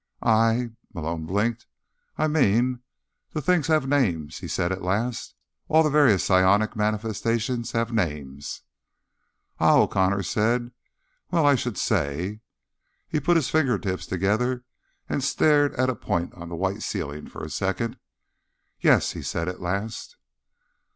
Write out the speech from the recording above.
"I—" Malone blinked. "I mean, the things have names," he said at last. "All the various psionic manifestations have names." "Ah," O'Connor said. "Well. I should say—" He put his fingertips together and stared at a point on the white ceiling for a second. "Yes," he said at last.